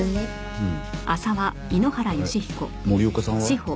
うん。